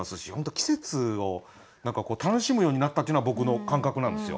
季節を楽しむようになったっていうのは僕の感覚なんですよ。